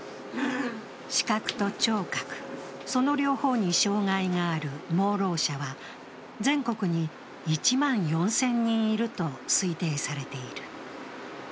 視覚と聴覚、その両方に障害がある盲ろう者は、全国に１万４０００人いると推定されている。